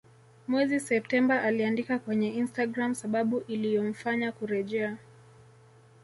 Mwezi Septemba aliandika kwenye Instagram sababu iliyomfanya kurejea